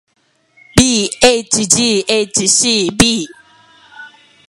bhghcb